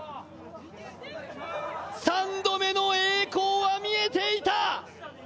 ３度目の栄光は見えていた。